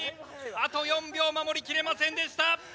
あと４秒守りきれませんでした！